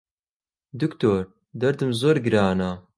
دوکتۆر دەردم زۆر گرانە